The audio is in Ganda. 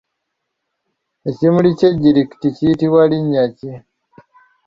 Ekimuli ky’ejjirikiti kiyitibwa linnya ki?